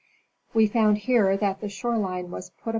We found here that the shore line was put.